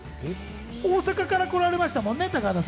大阪から来られましたもんね。